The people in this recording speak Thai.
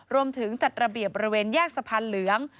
จัดระเบียบบริเวณแยกสะพานเหลือง